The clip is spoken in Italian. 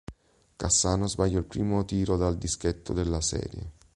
Cassano sbagliò il primo tiro dal dischetto della serie.